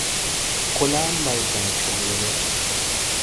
Ko la Mbaydan coʼwe le.